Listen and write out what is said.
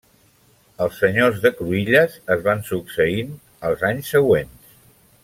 Els senyors de Cruïlles es van succeint els anys següents.